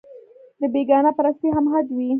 د بېګانه پرستۍ هم حد وي